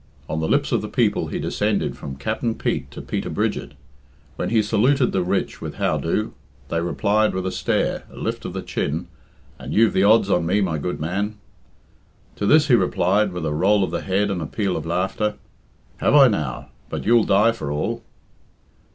On the lips of the people he descended from "Capt'n Pete" to Peter Bridget. When he saluted the rich with "How do!" they replied with a stare, a lift of the chin, and "You've the odds of me, my good man." To this he replied, with a roll of the head and a peal of laughter, "Have I now? But you'll die for all."